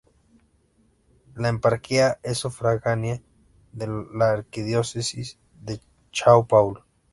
La eparquía es sufragánea de la arquidiócesis de São Paulo.